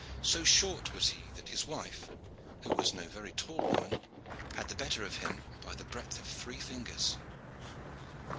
So short was he that his wife, who was no very tall woman, had the better of him by the breadth of three fingers.